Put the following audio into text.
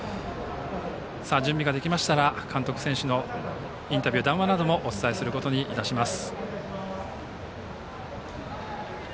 準備ができましたら監督、選手のインタビュー談話などもお伝えすることにいたします。